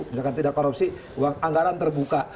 misalkan tidak korupsi uang anggaran terbuka